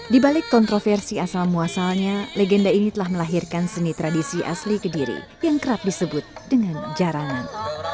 di balik kontroversi asal muasalnya legenda ini telah melahirkan seni tradisi asli kediri yang kerap disebut dengan jaranan